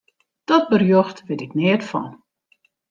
Dat berjocht wit ik neat fan.